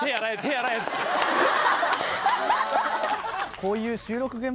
こういう。